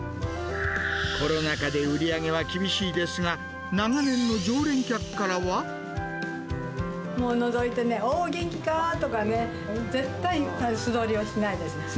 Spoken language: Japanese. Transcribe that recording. コロナ禍で売り上げは厳しいですが、もうのぞいてね、おお、元気かー！とかね、絶対に素通りをしないです。